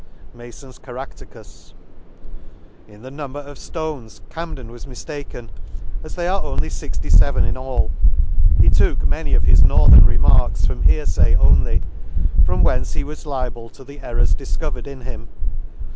* In the number of flones Camden was Hiiflaken, as they are only fixty feven in alL He took many of his northern re marks from hearfay only, from whence he was liable to the errors difcovered in him.